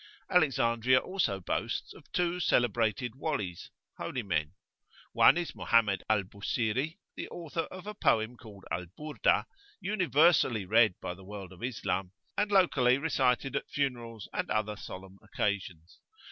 Alexandria also boasts of two celebrated Walis holy men. One is Mohammed al Busiri, the author of a poem called Al Burdah, universally read by the world of Islam, and locally recited at funerals and on other solemn occasions.